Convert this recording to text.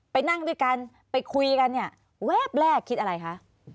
ไปนั่งด้วยกันไปคุยกันเนี่ยแวบแรกคิดอะไรคะ